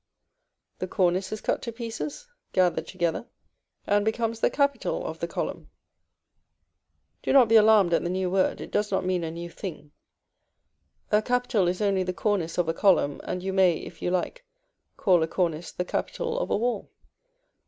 The cornice is cut to pieces, gathered together, and becomes the capital of the column. Do not be alarmed at the new word, it does not mean a new thing; a capital is only the cornice of a column, and you may, if you like, call a cornice the capital of a wall.